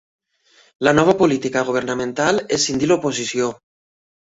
La nova política governamental escindí l'oposició.